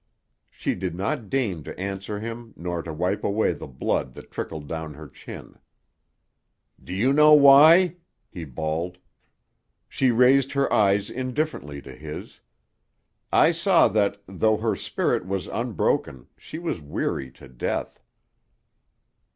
She did not deign to answer him nor to wipe away the blood that trickled down her chin. "Do you know why?" he bawled. She raised her eyes indifferently to his. I saw that, though her spirit was unbroken, she was weary to death.